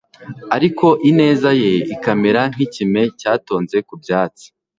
ariko ineza ye ikamera nk’ikime cyatonze ku byatsi